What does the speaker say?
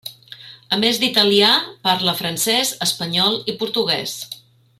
A més d'italià, parla francès, espanyol i portuguès.